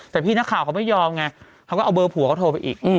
แต่พี่นักข่าวเขาไม่ยอมไงเขาก็เอาเบอร์ผัวเขาโทรไปอีก